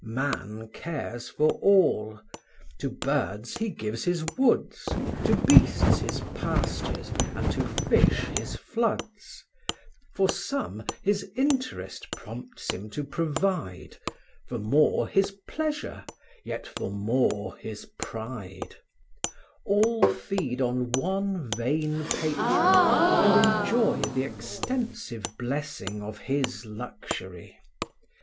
Man cares for all: to birds he gives his woods, To beasts his pastures, and to fish his floods; For some his interest prompts him to provide, For more his pleasure, yet for more his pride: All feed on one vain patron, and enjoy The extensive blessing of his luxury.